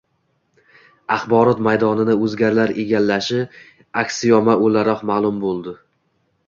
axborot maydonini «o‘zgalar» egallashi aksioma o‘laroq ma’lum bo‘ldi.